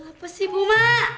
apa sih bu mak